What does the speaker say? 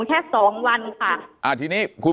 แต่คุณยายจะขอย้ายโรงเรียน